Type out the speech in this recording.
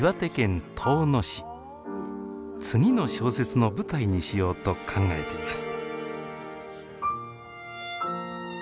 次の小説の舞台にしようと考えています。